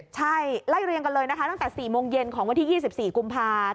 ใช่ไล่เรียงกันเลยนะคะตั้งแต่๔โมงเย็นของวันที่๒๔กุมภา